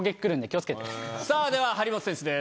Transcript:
さぁでは張本選手です。